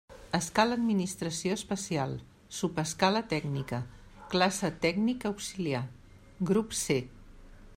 Escala administració especial, subescala tècnica, classe tècnic auxiliar, grup C.